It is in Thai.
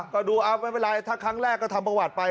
ก็ดูเอาไม่เป็นไรถ้าครั้งแรกก็ทำประวัติไป